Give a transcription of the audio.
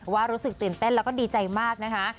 รู้สึกตื่นเต้นแล้วก็ดีใจมากนะคะ